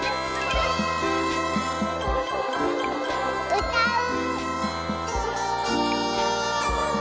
うたう！